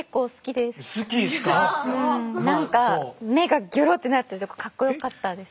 なんか目がギョロってなってるとこかっこよかったんです。